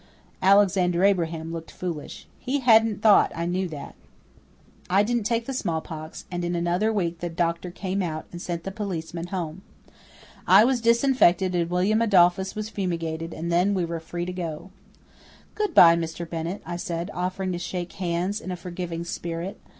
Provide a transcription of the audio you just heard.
Alexander Abraham looked foolish. He hadn't thought I knew that. I didn't take the smallpox and in another week the doctor came out and sent the policeman home. I was disinfected and William Adolphus was fumigated, and then we were free to go. "Good bye, Mr. Bennett," I said, offering to shake hands in a forgiving spirit.